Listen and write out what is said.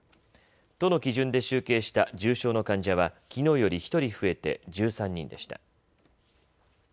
都の基準で集計した重症の患者はきのうより１人増えて１３人でした。